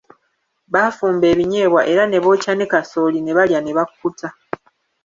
Baafumba ebinyeebwa era ne bookya ne kasooli ne balya ne bakkuta.